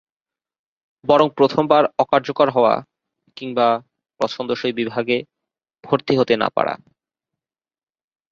বরং প্রথমবার অকার্যকর হওয়া কিংবা পছন্দসই বিভাগে ভর্তি হতে না পারা।